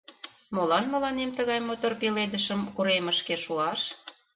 Молан мыланем тыгай мотор пеледышым уремышке шуаш?